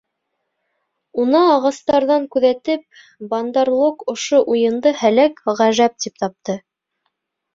Уны ағастарҙан күҙәтеп, Бандар-лог ошо «уйын»ды һәләк ғәжәп тип тапты.